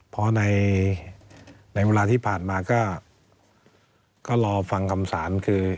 เพราะในเวลาที่ผ่านมาก็รอฟังคำสารคือ